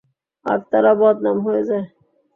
আর তারা বদনাম হয়ে যায়।